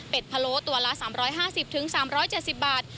พะโล้ตัวละ๓๕๐๓๗๐บาท